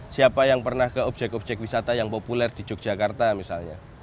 siapa yang pernah ke objek objek wisata yang populer di yogyakarta misalnya